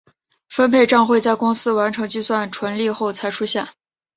分配帐会在公司完成计算纯利后才出现。